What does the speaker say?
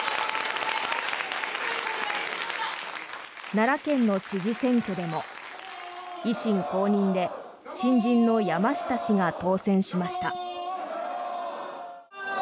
奈良県の知事選挙でも維新公認で新人の山下氏が当選しました。